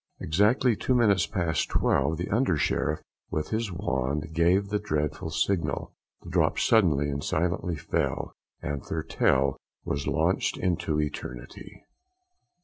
Exactly at two minutes past twelve the Under Sheriff, with his wand, gave the dreadful signal the drop suddenly and silently fell and JOHN THURTELL WAS LAUNCHED INTO ETERNITY.